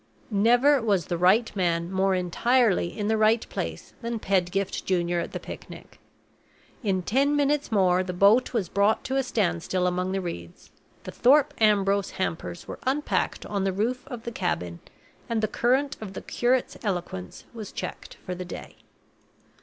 Never was the right man more entirely in the right place than Pedgift Junior at the picnic. In ten minutes more the boat was brought to a stand still among the reeds; the Thorpe Ambrose hampers were unpacked on the roof of the cabin; and the current of the curate's eloquence was checked for the day.